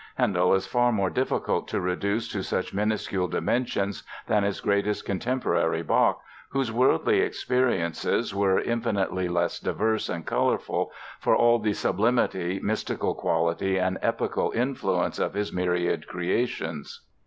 Handel is far more difficult to reduce to such minuscule dimensions than his greatest contemporary, Bach, whose worldly experiences were infinitely less diverse and colorful, for all the sublimity, mystical quality and epochal influence of his myriad creations.